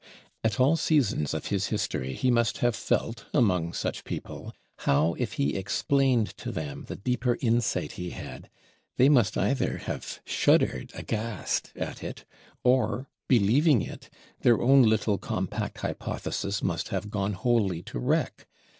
At all seasons of his history he must have felt, among such people, how if he explained to them the deeper insight he had, they must either have shuddered aghast at it, or believing it, their own little compact hypothesis must have gone wholly to wreck.